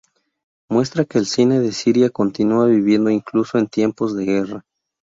Muestra que el cine de Siria continúa viviendo incluso en tiempos de guerra.